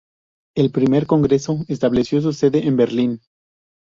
El Primer Congreso estableció su sede en Berlín.